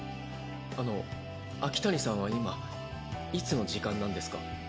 あの秋谷さんは今いつの時間なんですか？